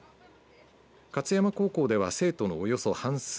勝山高校では生徒のおよそ半数。